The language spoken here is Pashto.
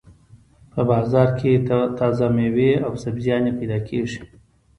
په بازار کې تازه مېوې او سبزيانې پیدا کېږي.